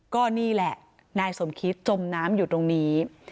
ก็นี่แหละนายสมคิตจมน้ำอยู่ตรงนี้